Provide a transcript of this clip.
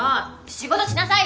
仕事しなさいよ！